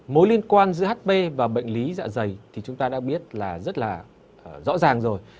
mối liên quan giữa hp và bệnh lý dạ dày thì chúng ta đã biết rất rõ ràng rồi